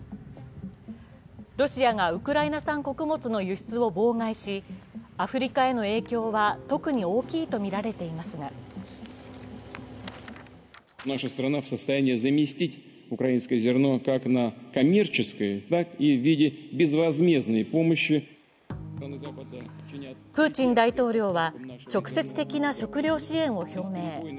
ロシアがウクライナ産穀物の輸出を妨害しアフリカへの影響は特に大きいとみられていますがプーチン大統領は直接的な食料支援を表明。